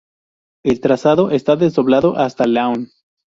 El trazado está desdoblado hasta Laon.